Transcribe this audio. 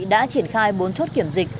đã triển khai bốn chốt kiểm dịch